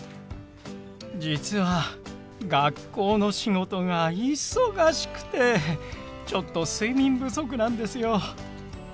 実は学校の仕事が忙しくてちょっと睡眠不足なんですよ。